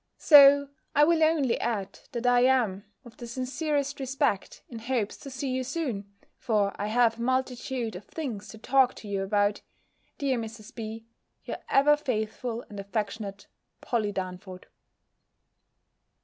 So, I will only add, that I am, with the sincerest respect, in hopes to see you soon (for I have a multitude of things to talk to you about), dear Mrs. B., your ever faithful and affectionate POLLY DARNFORD.